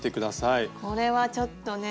これはちょっとね。